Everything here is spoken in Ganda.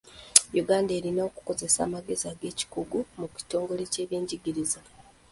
Uganda erina okukozesa amagezi ag'ekikugu mu kitongole ky'ebyenjigiriza.